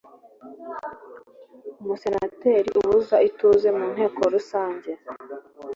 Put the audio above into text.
Umusenateri ubuza ituze mu Nteko Rusange